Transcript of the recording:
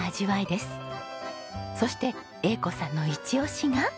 そして英子さんのイチオシが。